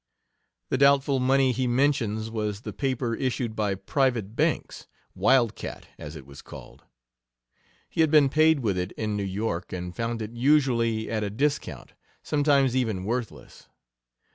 The doubtful money he mentions was the paper issued by private banks, "wild cat," as it was called. He had been paid with it in New York, and found it usually at a discount sometimes even worthless.